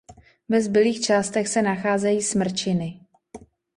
Ve zbylých částech se nacházejí smrčiny.